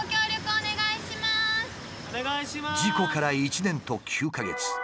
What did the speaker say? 事故から１年と９か月。